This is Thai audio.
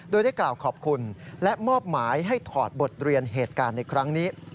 โดยได้กล่าวขอบคุณและมอบหมายให้ถอดบทเรียนเหตุการณ์ในครั้งนี้